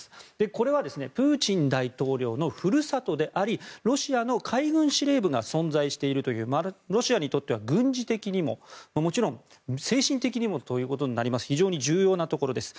これはプーチン大統領の故郷でありロシアの海軍司令部が存在しているというロシアにとっては軍事的にももちろん精神的にも非常に重要なところです。